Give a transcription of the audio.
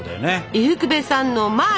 伊福部さんのマーチ！